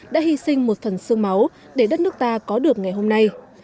đã hy sinh một phần sương máu để đất nước ta có được ngày hôm nay